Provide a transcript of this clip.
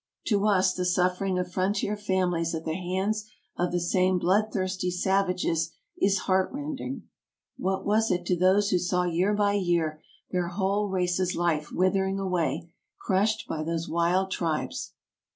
To us the suffering of frontier families at the hands of the same blood thirsty savages is heartrending. What was it to those who saw year by year their whole race's life withering away, crushed by those wild tribes